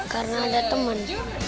karena ada teman